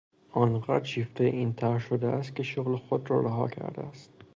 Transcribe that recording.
آنقدر شیفتهی این طرح شده است که شغل خود را رها کرده است.